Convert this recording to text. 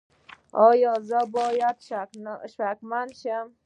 ایا زه باید شکمن شم؟